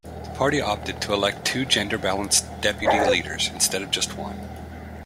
The party opted to elect two, gender-balanced deputy leaders, instead of just one.